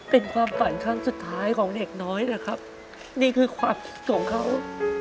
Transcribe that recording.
เป็นความฝันครั้งสุดท้ายของเด็กน้อยนะครับนี่คือความของเขา